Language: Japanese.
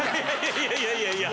いやいやいやいや。